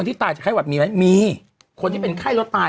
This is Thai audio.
แต่ขอให้บอกตรงว่า